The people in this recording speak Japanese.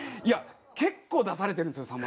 いや結構出されてるんですよ